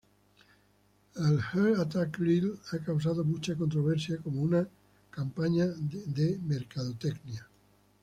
El Heart Attack Grill ha causado mucha controversia como una campaña de mercadotecnia.